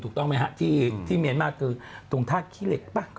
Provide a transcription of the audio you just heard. ถูกต้องไหมฮะที่เมียสมากคือตรงธาคิเล็กปะ